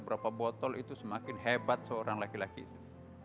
berapa botol itu semakin hebat seorang laki laki itu